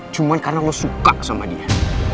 cuma karena lo suka sama dia